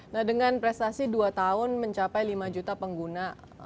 nah dengan prestasi dua tahun mencapai lima juta pengguna